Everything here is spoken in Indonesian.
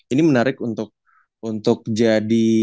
ini menarik untuk jadi